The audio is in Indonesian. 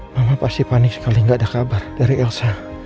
mama pasti panik sekali nggak ada kabar dari elsa